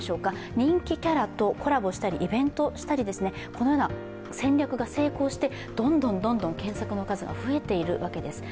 人気キャラとコラボしたり、イベントしたり、このような戦略が成功してどんどん検索の数が増えているわけです。